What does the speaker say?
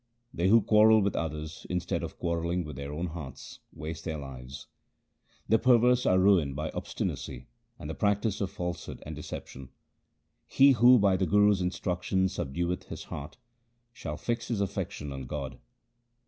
They who quarrel with others, instead of quarrelling with their own hearts, waste their lives. The perverse are ruined by obstinacy and by the practice of falsehood and deception. He who by the Guru's instruction subdueth his heart, shall fix his affection on God.